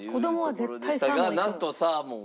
なんとサーモンは。